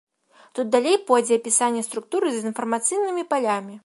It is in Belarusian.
Тут далей пойдзе апісанне структуры з інфармацыйнымі палямі.